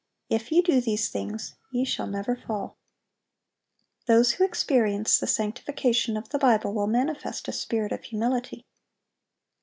If ye do these things, ye shall never fall."(802) Those who experience the sanctification of the Bible will manifest a spirit of humility.